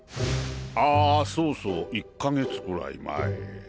あそうそう１か月くらい前。